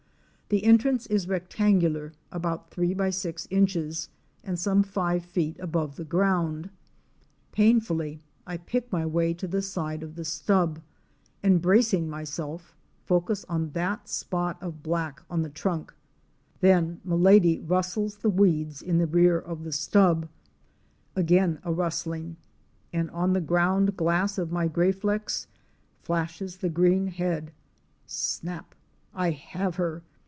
The entrance is rectangular, about three by six inches, and some five feet above the ground. Painfully I pick my way to the side of the stub, and bracing myself, focus on that spot Fic. 37. Eccs AND YOUNG OF AMAZON PARROT IN THE NEST. of black on the trunk. Then Milady rustles the weeds in the rear of the stub. Again a rustling, and on the ground glass of my Graflex flashes the green head. Snap! I have her!